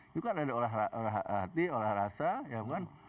itu kan ada olahraga hati olahraga rasa ya kan